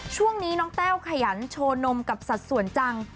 ช่วงนี้น้องแต้วขยันโชว์นมกับสัดส่วนจัง